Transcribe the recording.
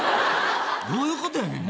どういうことやねん？